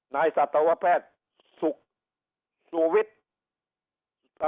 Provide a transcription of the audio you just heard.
นายศัตรวภัทธิ์สุรวิทย์